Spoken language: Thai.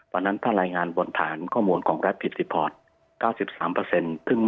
ตอนนั้นถ้ารายงานบนฐานข้อมูลของรัฐผิดซิพอร์ต๙๓เปอร์เซ็นต์